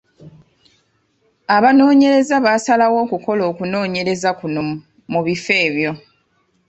Abanoonyereza baasalawo okukola okunoonyereza kuno mu bifo ebyo.